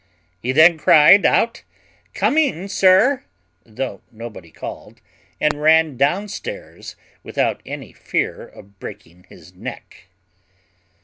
He then cried out, "Coming sir!" though nobody called; and ran downstairs without any fear of breaking his neck.